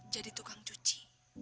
jadi tukang cuci